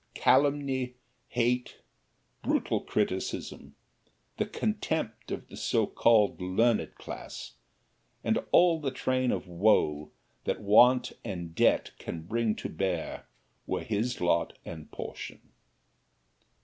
Calumny, hate, brutal criticism, the contempt of the so called learned class and all the train of woe that want and debt can bring to bear were his lot and portion.